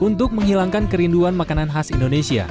untuk menghilangkan kerinduan makanan khas indonesia